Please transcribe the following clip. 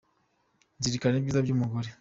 kuzirikana ibyiza by’umugore.